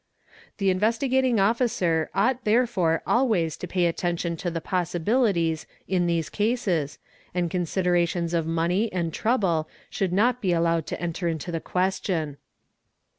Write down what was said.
The Investigating Officer ought therefore always to pay attention to the possibilities in these eases and considerations of money and trouble should not be allowed to enter into the question.